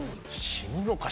死ぬのか！